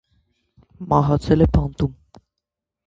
Մահացել է բանտում։